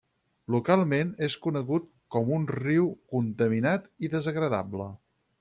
Localment és conegut com un riu contaminat i desagradable.